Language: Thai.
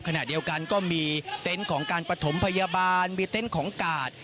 ขณะเดียวกันก็มีเต็นต์ของการปฐมพยาบาลมีเต็นต์ของกาด